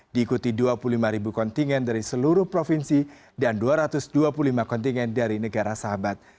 diikuti dua puluh lima ribu kontingen dari seluruh provinsi dan dua ratus dua puluh lima kontingen dari negara sahabat